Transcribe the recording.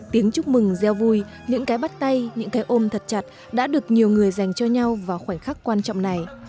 tiếng chúc mừng gieo vui những cái bắt tay những cái ôm thật chặt đã được nhiều người dành cho nhau vào khoảnh khắc quan trọng này